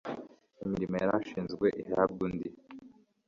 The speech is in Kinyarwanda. imirimo yari ashinzwe ihabwe undi